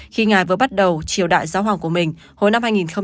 khi ngài vừa bắt đầu triều đại giáo hoàng của mình hồi năm hai nghìn một mươi